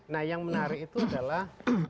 nah yang menarik itu adalah